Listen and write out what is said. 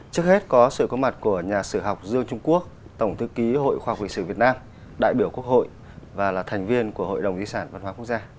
trước hết có sự có mặt của nhà sử học dương trung quốc tổng thư ký hội khoa học lịch sử việt nam đại biểu quốc hội và là thành viên của hội đồng di sản văn hóa quốc gia